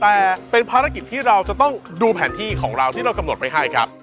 แต่เป็นภารกิจที่เราจะต้องดูแผนที่ของเราที่เรากำหนดไว้ให้ครับ